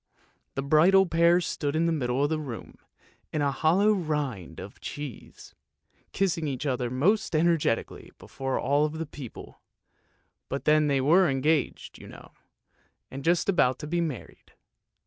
The bridal pair stood in the middle of the room, in the hollow rind of a cheese, kissing each other most energetically before all the other people, but then they were engaged, you know, and just about to be married.